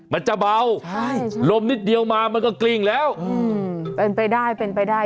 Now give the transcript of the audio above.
มันจะเบาใช่ลมนิดเดียวมามันก็กลิ้งแล้วเป็นไปได้เป็นไปได้